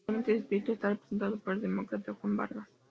Actualmente el distrito está representado por el Demócrata Juan Vargas.